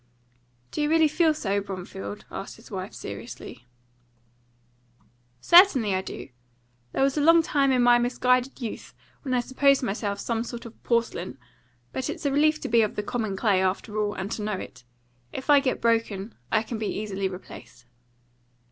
"Do you really feel so, Bromfield?" asked his wife seriously. "Certainly I do. There was a long time in my misguided youth when I supposed myself some sort of porcelain; but it's a relief to be of the common clay, after all, and to know it. If I get broken, I can be easily replaced."